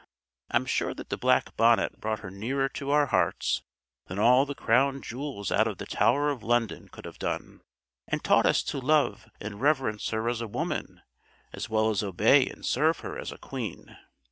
I'm sure that black bonnet brought her nearer to our hearts than all the Crown Jewels out of the Tower of London could have done; and taught us to love and reverence her as a woman as well as obey and serve her as a Queen.